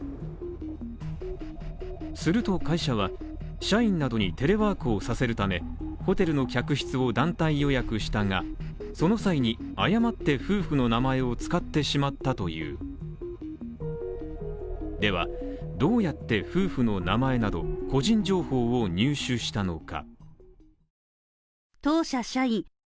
すると会社は社員などにテレワークをさせるため、ホテルの客室を団体予約したが、その際に誤って夫婦の名前を使ってしまったというではどうやって夫婦の名前など個人情報を入手したのか。